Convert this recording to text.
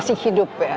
masih hidup ya